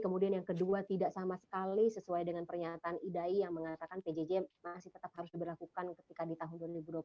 kemudian yang kedua tidak sama sekali sesuai dengan pernyataan idai yang mengatakan pjj masih tetap harus diberlakukan ketika di tahun dua ribu dua puluh